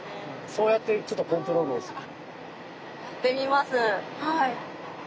そうやってちょっとコントロールをする。